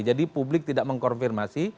jadi publik tidak mengkonfirmasi